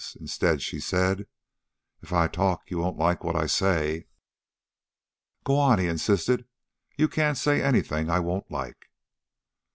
Instead, she said: "If I talk, you won't like what I say." "Go on," he insisted. "You can't say anything I won't like."